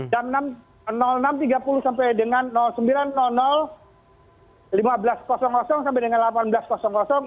jam enam tiga puluh sampai dengan sembilan lima belas sampai dengan delapan belas